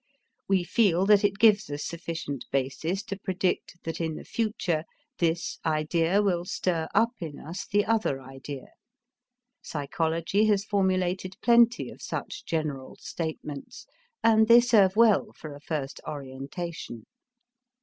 We feel that it gives us sufficient basis to predict that in the future this idea will stir up in us the other idea. Psychology has formulated plenty of such general statements, and they serve well for a first orientation.